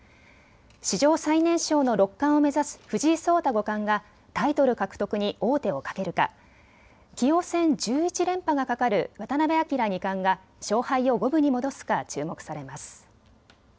史上最年少の六冠を目指す藤井聡太五冠がタイトル獲得に王手をかけるか棋王戦１１連覇がかかる渡辺明二冠が勝敗を五分に戻すか注目されます。